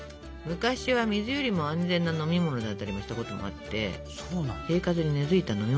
昔は水よりも安全な飲み物だったりもしたこともあって生活に根づいた飲み物だったってことね。